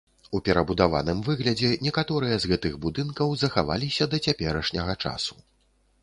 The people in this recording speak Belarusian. У перабудаваным выглядзе некаторыя з гэтых будынкаў захаваліся да цяперашняга часу.